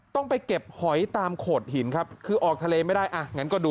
ตอนนี้ก่อก่อก่อบูโหลนเป็นพายุผัดหนักค่ะ